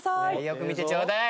よく見てちょうだい。